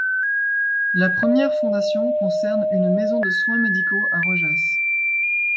La première fondation concerne une maison de soins médicaux à Rojas.